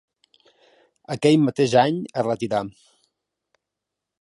Aquell mateix any es retirà.